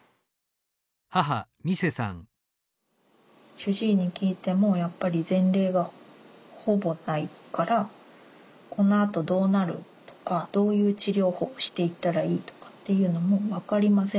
主治医に聞いてもやっぱり前例がほぼないからこのあとどうなるとかどういう治療法していったらいいとかっていうのもわかりません